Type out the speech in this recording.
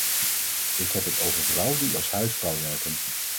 Ik heb het over vrouwen die als huisvrouw werken.